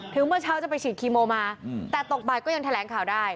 เมื่อเช้าจะไปฉีดคีโมมาแต่ตกบ่ายก็ยังแถลงข่าวได้